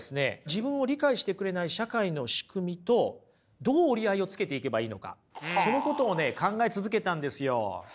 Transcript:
自分を理解してくれない社会の仕組みとどう折り合いをつけていけばいいのかそのことをね考え続けたんですよ。